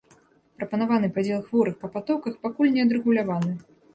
Прапанаваны падзел хворых па патоках пакуль не адрэгуляваны.